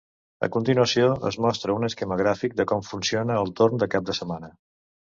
A continuació, es mostra un esquema gràfic de com funciona el torn de cap de setmana.